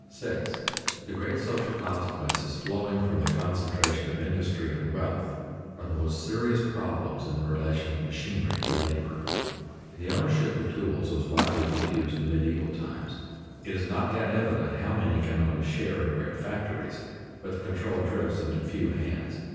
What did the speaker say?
[Sidenote: Problems of large industry] 6. _The great social consequences flowing from the concentration of industry and wealth are the most serious problems in the relation of machinery to labor._ The ownership of tools was widely diffused in medieval times. It is not yet evident how many can own a share in great factories, but the control drifts into few hands.